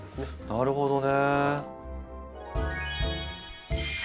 なるほどね。